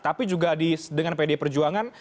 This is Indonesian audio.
tapi juga dengan pd perjuangan